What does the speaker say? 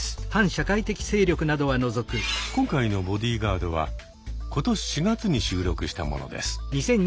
今回の「ボディーガード」は今年４月に収録したものです。